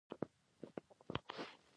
انګلیسیانو احتیاطي کارونه پیل کړل.